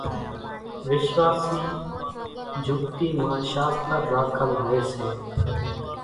وِشواشِي جھُڳتِي مان شاستر راکل هوئيَ سي۔